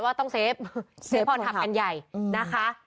ว่าต้องเซฟพรหับกันใหญ่นะคะ